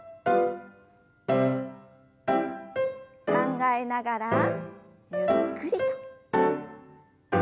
考えながらゆっくりと。